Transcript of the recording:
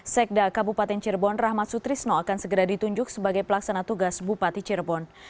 sekda kabupaten cirebon rahmat sutrisno akan segera ditunjuk sebagai pelaksana tugas bupati cirebon